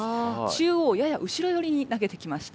中央やや後ろよりに投げてきました。